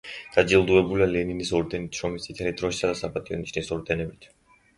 დაჯილდოებულია ლენინის ორდენით, შრომის წითელი დროშის და „საპატიო ნიშნის“ ორდენებით.